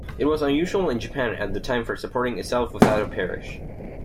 It was unusual in Japan at the time for supporting itself without a parish.